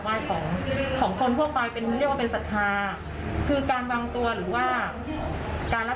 ฝากขอโทษก็ก็ถามว่าไม่คิดจะมาขอโทษอะไรบ้างหรอ